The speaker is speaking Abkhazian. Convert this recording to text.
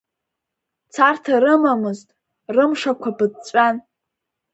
Царҭа рымамызт, рымшақәа ԥыҵәҵәан.